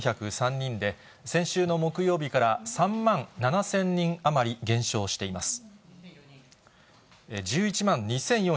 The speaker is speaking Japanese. １１万２４０４人で、先週木曜日から３万７０００人余り減少しています。